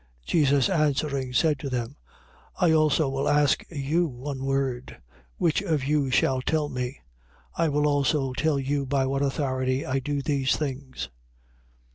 21:24. Jesus answering, said to them: I also will ask you one word, which if you shall tell me, I will also tell you by what authority I do these things.